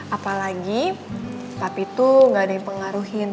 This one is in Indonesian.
apalagi tapi tuh gak ada yang pengaruhin